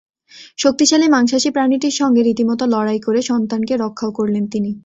শক্তিশালী মাংশাসী প্রাণীটির সঙ্গে রীতিমতো লড়াই করে সন্তানকে রক্ষাও করলেন তিনি।